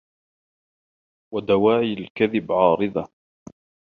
وَدَوَاعِي الْكَذِبِ عَارِضَةٌ